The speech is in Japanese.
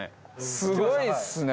すごいっすね。